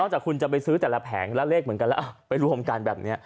จากคุณจะไปซื้อแต่ละแผงแล้วเลขเหมือนกันแล้วไปรวมกันแบบนี้